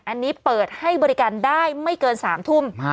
อันนี้เปิดให้บริการได้ไม่เกิน๓ทุ่ม